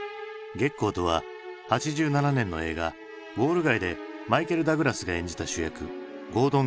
ゲッコーとは８７年の映画「ウォール街」でマイケル・ダグラスが演じた主役ゴードン・ゲッコーのこと。